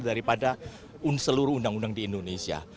daripada seluruh undang undang di indonesia